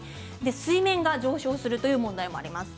水面が上昇するという問題もあります。